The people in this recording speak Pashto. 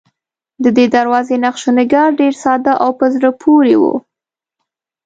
ددې دروازې نقش و نگار ډېر ساده او په زړه پورې و.